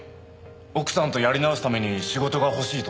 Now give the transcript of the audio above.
奥さんとやり直すために仕事が欲しいと頼まれて。